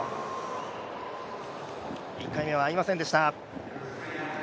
１回目は合いませんでした。